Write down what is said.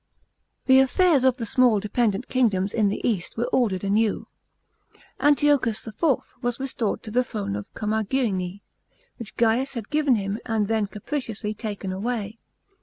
The affairs of the small dependent kingdoms in the east were ordered anew. Antiochus IV. was restored to the throne of Commagene, which Gaius had given him and then capriciously taken away.